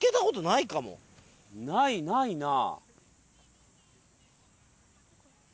ないないな。